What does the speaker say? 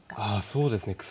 そうですね